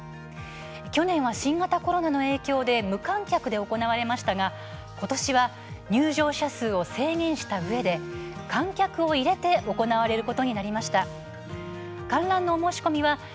去年は新型コロナの影響で無観客で行われましたがことしは入場者数を制限したうえで観客を入れて行われることになりました。